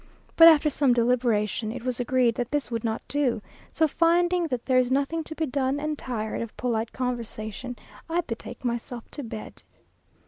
But after some deliberation, it was agreed that this would not do; so finding that there is nothing to be done, and tired of polite conversation, I betake myself to bed.